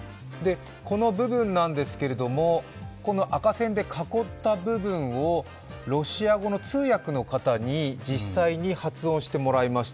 この部分なんですけれども赤線で囲った部分をロシア語の通訳の方に実際に発音してもらいました。